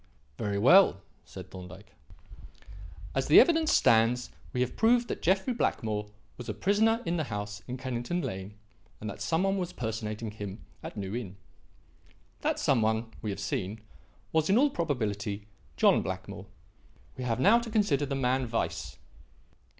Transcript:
"Very well," said Thorndyke. "As the evidence stands, we have proved that Jeffrey Blackmore was a prisoner in the house in Kennington Lane and that some one was personating him at New Inn. That some one, we have seen, was, in all probability, John Blackmore. We now have to consider the man Weiss.